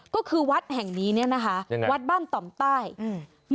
ก็คือวัดแห่งนี้เนี้ยนะคะยังไงวัดบ้านต่อมใต้อืม